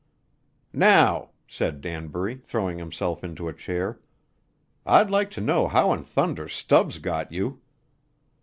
"Now," said Danbury, throwing himself into a chair, "I'd like to know how in thunder Stubbs got you."